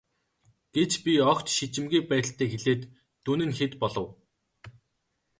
гэж би огт жишимгүй байдалтай хэлээд дүн нь хэд болов.